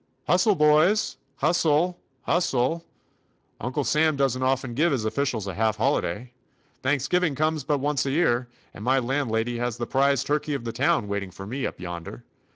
"Hustle, boys! Hustle I Hustle! Uncle Sam does n't often give his offi cials ^ half holiday! Thanksgiving comes but once a year, and my land lady has the prize turkey of the town 29 THE ADVENTURES OF waiting for me up yonder.